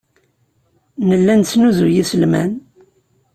Nella nesnuzuy iselman.